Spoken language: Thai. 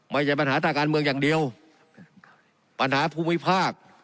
ไม่ใช่ปัญหาทางการเมืองอย่างเดียวปัญหาภูมิภาค